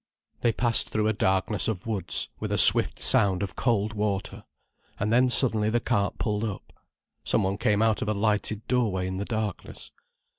They passed through a darkness of woods, with a swift sound of cold water. And then suddenly the cart pulled up. Some one came out of a lighted doorway in the darkness.